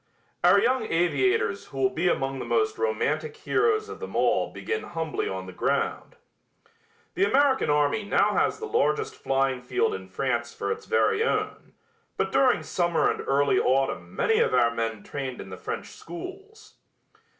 Our young aviators who will be among the most romantic heroes of them all begin humbly on the ground. The American army now has the largest flying field in France for its very own, but during summer and early autumn many of our men trained in the French schools.